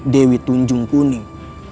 dewi tunjung kuning